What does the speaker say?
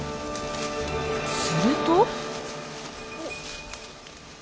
すると。